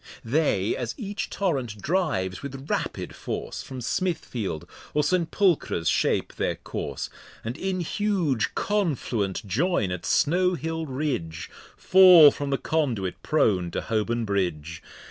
They, as each Torrent drives, with rapid Force From Smithfield, or St.Pulchre's shape their Course, And in huge Confluent join at Snow Hill Ridge, Fall from the Conduit prone to Holborn Bridge.